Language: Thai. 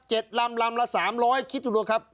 ลำลำละสามร้อยคิดดูครับ